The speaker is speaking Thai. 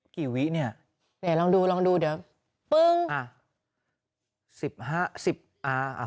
กี่วิเนี้ยเดี๋ยวลองดูลองดูเดี๋ยวปึ้งอ่าสิบห้าสิบอ่า